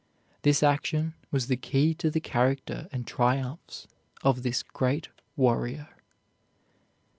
This action was the key to the character and triumphs of this great warrior.